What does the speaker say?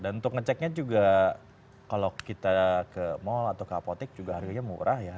untuk ngeceknya juga kalau kita ke mall atau ke apotek juga harganya murah ya